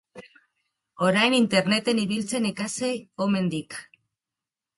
Orain Interneten ibiltzen ikasi omen dik...